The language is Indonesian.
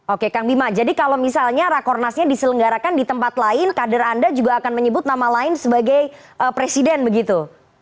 oke kang bima jadi kalau misalnya rakornasnya diselenggarakan di tempat lain kader anda juga akan menyebut nama lain sebagai presiden begitu